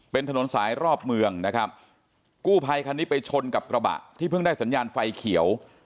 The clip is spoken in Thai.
เป็นถนนสายรอบเมืองนะครับกู้ภัยคันนี้ไปชนกับกระบะที่เพิ่งได้สัญญาณไฟเขียว